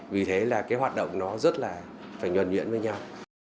vì thế là cái hoạt động nó rất là phải nhuận nhuyễn với nhau